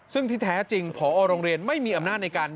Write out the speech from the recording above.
ซึ่งที่แท้จริงพอโรงเรียนไม่มีอำนาจในการ